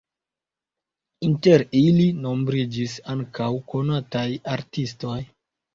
Inter ili nombriĝis ankaŭ konataj artistoj.